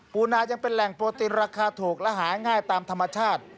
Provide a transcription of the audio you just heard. ปูนายังเป็นแหล่งโปรตีนราคาถูกและหาง่ายตามธรรมชาติ